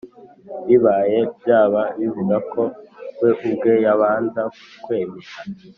bibaye byaba bivuga ko we ubwe yabanza kwemera